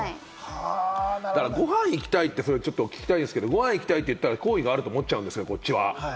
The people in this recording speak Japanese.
「ご飯行きたい」って聞きたいですけれども、ご飯行きたいって言ったら、好意があるって思っちゃうんですけれども、こっちは。